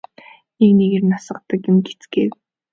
Нэг нэгээр нь асгадаг юм гэцгээв.